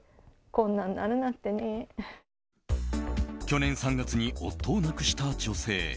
去年３月に夫を亡くした女性。